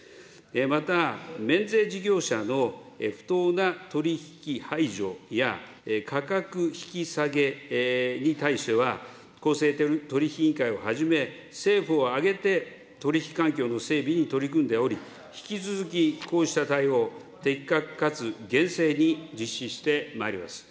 また、免税事業者の不当な取り引き排除や価格引き下げに対しては、公正取引委員会をはじめ、政府を挙げて取り引き環境の整備に取り組んでおり、引き続きこうした対応、的確かつ厳正に実施してまいります。